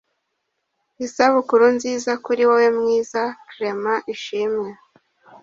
Isabukuru nziza kuri wowe Mwiza Clement Ishimwe